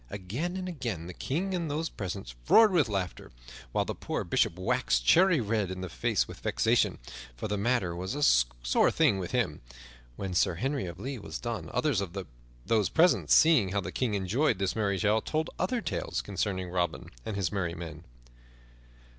Again and again the King and those present roared with laughter, while the poor Bishop waxed cherry red in the face with vexation, for the matter was a sore thing with him. When Sir Henry of the Lea was done, others of those present, seeing how the King enjoyed this merry tale, told other tales concerning Robin and his merry men.